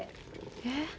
えっ。